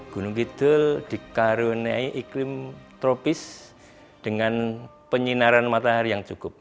gunung kidul dikaruniai iklim tropis dengan penyinaran matahari yang cukup